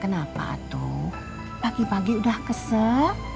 kenapa tuh pagi pagi udah kesel